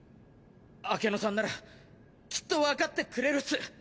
アケノさんならきっとわかってくれるっす。